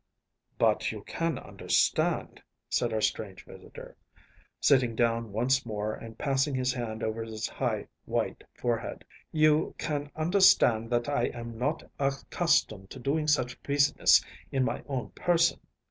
‚ÄĚ “But you can understand,‚ÄĚ said our strange visitor, sitting down once more and passing his hand over his high white forehead, “you can understand that I am not accustomed to doing such business in my own person.